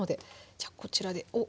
じゃあこちらでおっ！